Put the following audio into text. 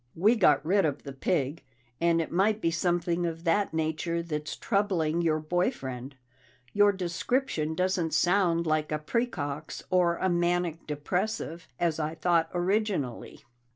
"We got rid of the pig. And it might be something of that nature that's troubling your boy friend. Your description doesn't sound like a praecox or a manic depressive, as I thought originally."